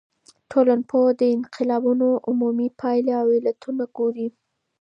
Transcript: ټولنپوه د انقلابونو عمومي پايلي او علتونه ګوري.